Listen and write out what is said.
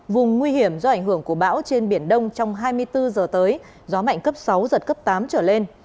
vùng nguy hiểm do ảnh hưởng của bão trên biển đông trong hai mươi bốn giờ tới gió mạnh cấp sáu giật cấp tám trở lên